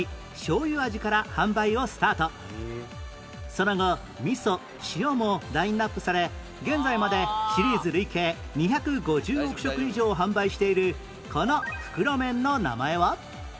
その後みそ塩もラインアップされ現在までシリーズ累計２５０億食以上販売しているこの袋麺の名前は？